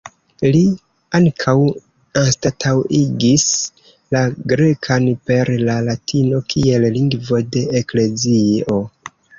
Li ankaŭ anstataŭigis la grekan per la latino kiel lingvo de eklezio.